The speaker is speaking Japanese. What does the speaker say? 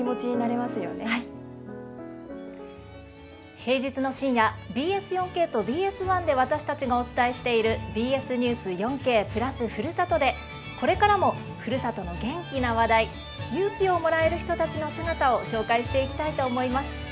平日の深夜ＢＳ４ＫとＢＳ１で私たちがお伝えしている「ＢＳニュース４Ｋ＋ふるさと」でこれからもふるさとの元気な話題勇気をもらえる人たちの姿を紹介していきたいと思います。